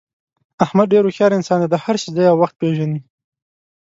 احمد ډېر هوښیار انسان دی، د هر شي ځای او وخت پېژني.